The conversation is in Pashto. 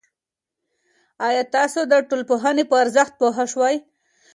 آیا تاسو د ټولنپوهنې په ارزښت پوه شوئ؟